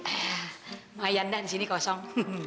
eh mayan dah di sini kosong